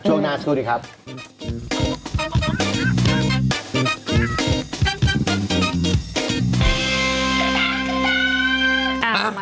ช่วงหน้าต้องคุยด้วยครับ